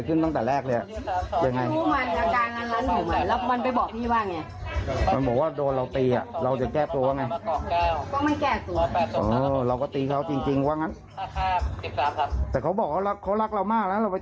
คุณตราวอ่ะ